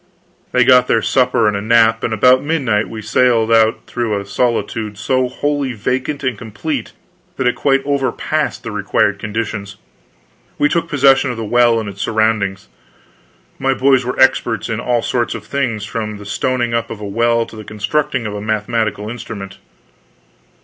They got their supper and a nap, and about midnight we sallied out through a solitude so wholly vacant and complete that it quite overpassed the required conditions. We took possession of the well and its surroundings. My boys were experts in all sorts of things, from the stoning up of a well to the constructing of a mathematical instrument.